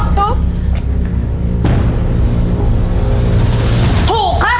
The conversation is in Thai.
ถูกถูกถูกถูก